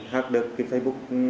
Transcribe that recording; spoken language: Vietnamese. hát được facebook